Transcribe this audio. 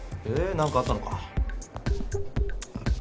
何かあったのか？